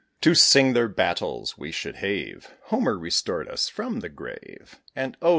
To sing their battles we should have Homer restored us, from the grave; And, oh!